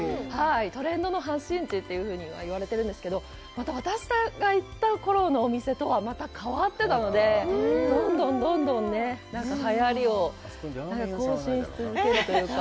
トレンドの発信地というふうに言われているんですけど、また私が行ったころのお店とはまた変わってたので、どんどんどんどんね、はやりを更新し続けるというか。